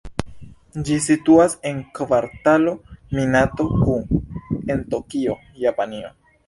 Ĝi situas en Kvartalo Minato-ku en Tokio, Japanio.